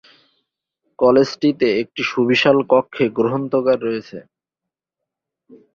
কলেজটিতে একটি সুবিশাল কক্ষে গ্রন্থাগার রয়েছে।